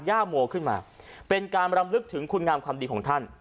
ย่าโมขึ้นมาเป็นการรำลึกถึงคุณงามความดีของท่าน